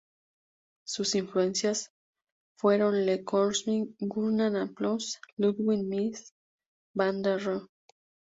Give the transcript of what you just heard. Sus influencias fueron Le Corbusier, Gunnar Asplund, y Ludwig Mies van der Rohe.